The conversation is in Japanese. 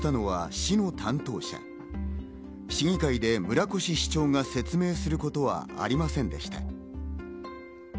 市議会で村越市長が説明することはありませんでした。